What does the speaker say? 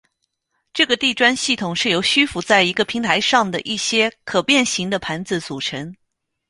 这个地砖系统是由虚浮在一个平台上的一些可变型的盘子组成。